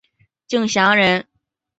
敬翔人。